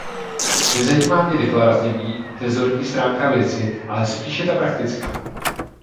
Nezajímá mě deklarativní, rezortní stránka věci, ale spíše ta praktická.